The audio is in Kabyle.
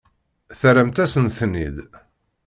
Terramt-asent-ten-id.